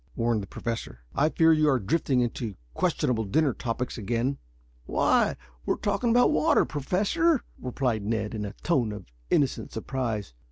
warned the Professor. "I fear you are drifting into questionable dinner topics again." "Why, we're talking about water, Professor," replied Ned in a tone of innocent surprise.